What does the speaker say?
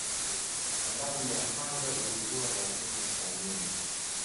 Habari ya kwanza ilikuwa ya kifo cha Nuru